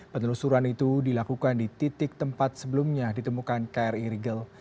penelusuran itu dilakukan di titik tempat sebelumnya ditemukan kri rigel